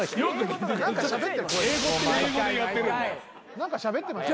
何かしゃべってました？